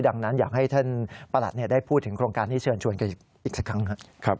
ดังนั้นอยากให้ท่านประหลัดได้พูดถึงโครงการที่เชิญชวนกันอีกสักครั้งครับ